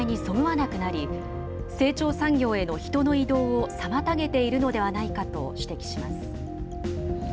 ただ、その仕組みが今の時代にそぐわなくなり、成長産業への人の移動を妨げているのではないかと指摘します。